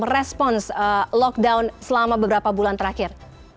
respons lockdown selama beberapa bulan terakhir